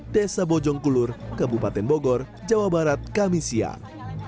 desa bojongkulur kabupaten bogor jawa barat kamisian